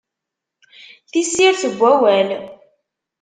Tissirt n wawal!